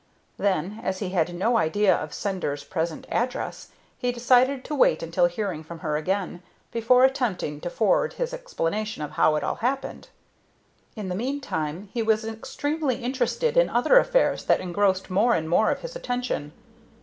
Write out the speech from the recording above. Then, as he had no idea of "sender's" present address, he decided to wait until hearing from her again before attempting to forward his explanation of how it all happened. In the meantime he was extremely interested in other affairs that engrossed more and more of his attention.